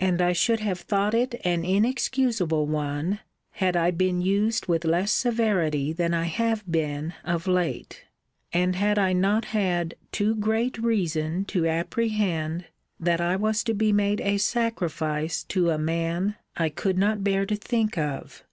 And I should have thought it an inexcusable one, had I been used with less severity than I have been of late; and had I not had too great reason to apprehend, that I was to be made a sacrifice to a man I could not bear to think of.